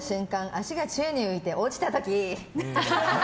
足が宙に浮いて、落ちた時。